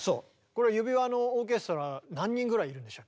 これ「指環」のオーケストラ何人ぐらいいるんでしたっけ？